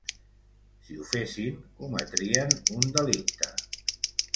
Si ho fessin, cometrien un delicte.